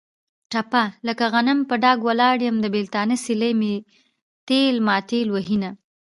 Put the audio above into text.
ټپه: لکه غنم په ډاګ ولاړ یم. د بېلتانه سیلۍ مې تېل ماټېل کوینه.